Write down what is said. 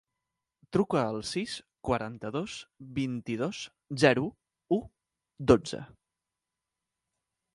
Truca al sis, quaranta-dos, vint-i-dos, zero, u, dotze.